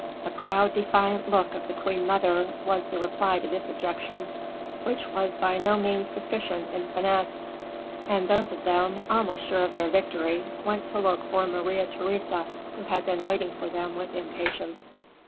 A proud, defiant look of the queen mother was the reply to this objection, which was by no means deficient in finesse; and both of them, almost sure of their victory, went to look for Maria Theresa, who had been waiting for them with impatience.